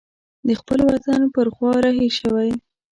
د خپل وطن پر خوا رهي شوی.